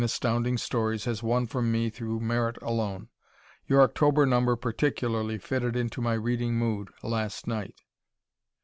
Astounding Stories, has won from me through merit alone. Your October number particularly fitted into my reading mood last night.